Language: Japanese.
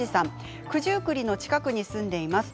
九十九里の近くに住んでいます。